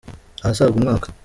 ahasaga umwaka.